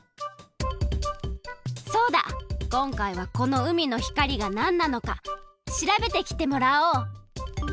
そうだこんかいはこの海の光がなんなのか調べてきてもらおう！